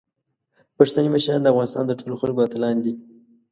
پښتني مشران د افغانستان د ټولو خلکو اتلان دي.